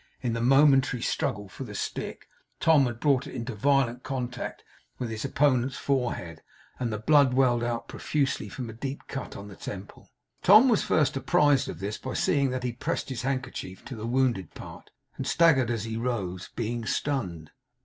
In the momentary struggle for the stick, Tom had brought it into violent contact with his opponent's forehead; and the blood welled out profusely from a deep cut on the temple. Tom was first apprised of this by seeing that he pressed his handkerchief to the wounded part, and staggered as he rose, being stunned.